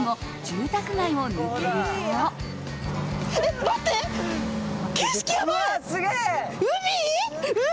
住宅街を抜けると。